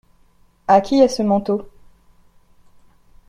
À qui est ce manteau ?